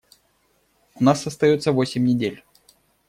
У нас остается восемь недель.